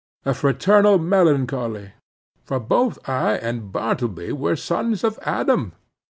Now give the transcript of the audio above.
A fraternal melancholy! For both I and Bartleby were sons of Adam.